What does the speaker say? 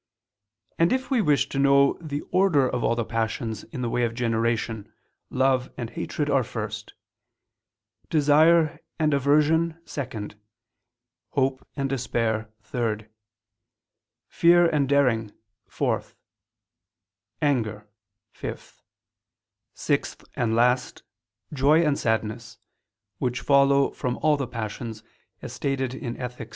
And if we wish to know the order of all the passions in the way of generation, love and hatred are first; desire and aversion, second; hope and despair, third; fear and daring, fourth; anger, fifth; sixth and last, joy and sadness, which follow from all the passions, as stated in _Ethic.